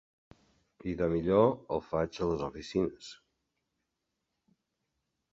Doncs millor el faig a les oficines.